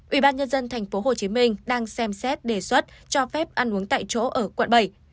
ubnd tp hcm đang xem xét đề xuất cho phép ăn uống tại chỗ ở quận bảy